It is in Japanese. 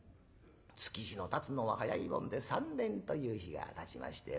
月日のたつのは早いもんで３年という日がたちまして。